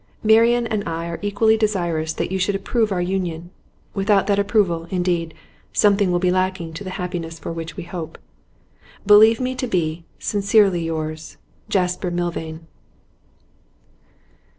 Marian and I are equally desirous that you should approve our union; without that approval, indeed, something will be lacking to the happiness for which we hope. 'Believe me to be sincerely yours, 'JASPER MILVAIN.